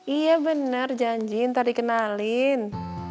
iya benar janji ntar dikenalin